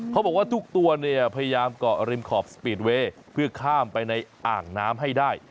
เขาบอกว่าทุกตัวเนี่ยพยายามเกาะริมขอบสปีดเวย์เพื่อข้ามไปในอ่างน้ำให้ได้